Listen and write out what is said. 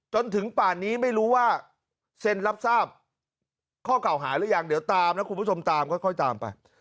จนถึงป่านนี้ไม่รู้ว่าเซ็นรับทราบข้อเก่าหาหรือยังเดี๋ยวตามนะคุณผู้ชมตามค่อยตามไป